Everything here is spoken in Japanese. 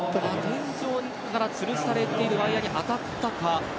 天井につるされているワイヤーに当たったか。